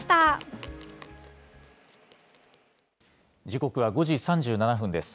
時刻は５時３７分です。